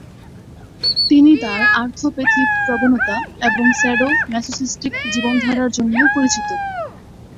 তিনি তার আর্থ-প্যাথিক প্রবণতা এবং স্যাডো-ম্যাসোসিস্টিক জীবনধারার জন্যও পরিচিত।